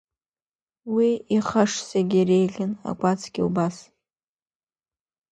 Уи ихаш зегьы иреиӷьын, акәацгьы убас.